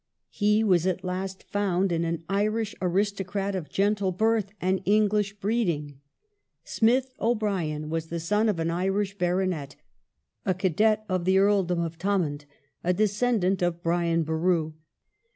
He was at last found in an Irish aristo crat of gentle birth and English breeding. Smith O'Brien was the son of an Irish baronet, a cadet of the Earldom of Thomond, a descendant of Brian Boru.